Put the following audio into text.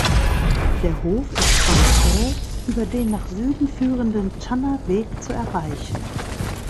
Der Hof ist von Zell über den nach Süden führenden Thanner Weg zu erreichen.